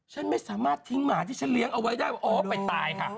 ฉันไม่สามารถทิ้งหมาที่ฉันเลี้ยงเอาไว้ได้ว่าอ๋อไปตายค่ะ